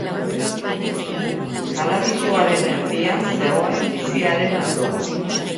Paradisuaren erdian zegoen biziaren arbola.